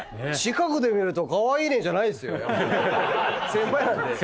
先輩なんで。